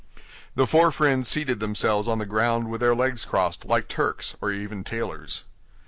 The four friends seated themselves on the ground with their legs crossed like Turks, or even tailors.